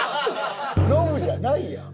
ノブじゃないやん。